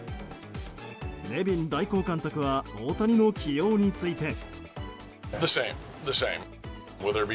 ネビン代行監督は大谷の起用について。